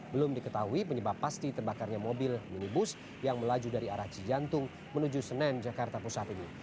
belum diketahui penyebab pasti terbakarnya mobil minibus yang melaju dari arah cijantung menuju senen jakarta pusat ini